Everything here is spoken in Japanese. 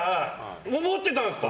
思ってたんですか？